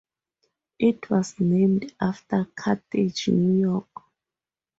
It was named after Carthage, New York.